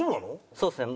そうですね。